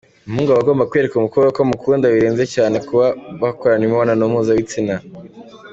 Umuhungu aba agomba kwereka umukobwa ko amukunda birenze cyane kuba bakora imibonano mpuzabitsina.